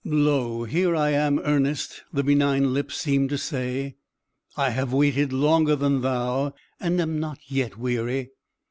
"Lo, here I am, Ernest!" the benign lips seemed to say. "I have waited longer than thou, and am not yet weary.